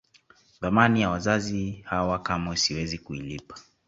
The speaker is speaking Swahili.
Thamani ya wazazi hawa kamwe siwezi kuilipa